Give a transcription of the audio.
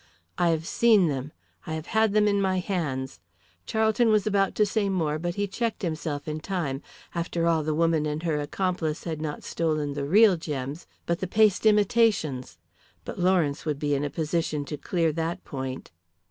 "I have seen them; I have had them in my hands." Charlton was about to say more, but he checked himself in time. After all, the woman and her accomplice had not stolen the real gems, but the paste imitations. But Lawrence would be in a position to clear that point.